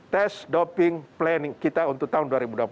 tes doping planning kita untuk tahun dua ribu dua puluh satu